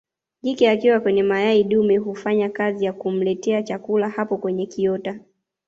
Jike akiwa kwenye mayai dume hufanya kazi ya kumletea chakula hapo kwenye kiota